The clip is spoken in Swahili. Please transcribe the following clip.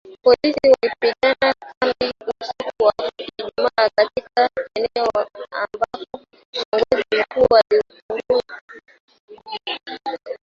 Polisi walipiga kambi usiku wa Ijumaa katika eneo ambako kiongozi mkuu wa upinzani alitakiwa kuhutubia wafuasi wake Jumamosi